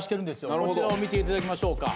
こちらを見ていただきましょうか。